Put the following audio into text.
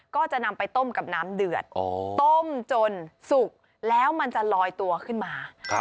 ก็จะนำไปต้มกับน้ำเดือดต้มจนสุกแล้วมันจะลอยตัวขึ้นมา